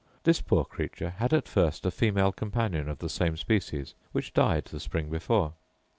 This poor creature had at first a female companion of the same species, which died the spring before.